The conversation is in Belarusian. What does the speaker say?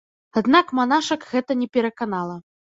Аднак манашак гэта не пераканала.